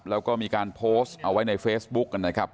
แล้วก็มีการโพสต์เอาไว้ในเฟซบุ๊กกันนะครับ